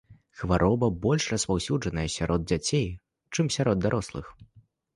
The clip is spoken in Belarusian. Хвароба больш распаўсюджаная сярод дзяцей, чым сярод дарослых.